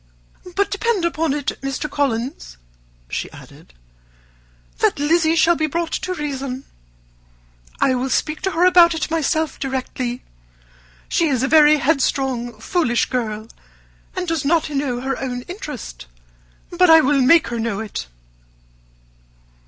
"But depend upon it, Mr. Collins," she added, "that Lizzy shall be brought to reason. I will speak to her about it myself directly. She is a very headstrong, foolish girl, and does not know her own interest; but I will make her know it."